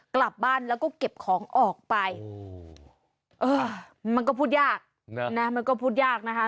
กลับบ้านแล้วก็เก็บของออกไปมันก็พูดยากนะมันก็พูดยากนะคะ